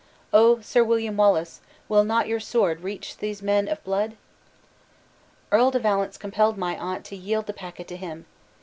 Oh! Sir William Wallace, will not your sword reach these men of blood? "Earl de Valence compelled my aunt to yield the packet to him.